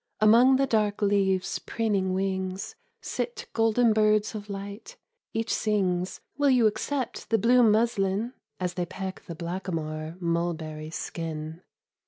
Among the dark leaves preening wings Sit golden birds of light ; each sings, " Will you accept the blue muslin? " As they peck the blackamoor mulberries' skin.